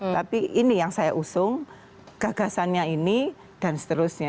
tapi ini yang saya usung gagasannya ini dan seterusnya